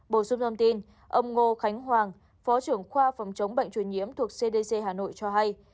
bổ sung thông tin ông ngô khánh hoàng phó trưởng khoa phòng chống bệnh truyền nhiễm thuộc cdc hà nội cho hay